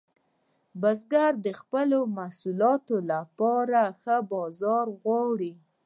بزګران د خپلو محصولاتو لپاره ښه بازار غواړي.